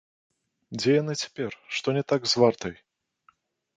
Дзе яны цяпер, што не так з вартай?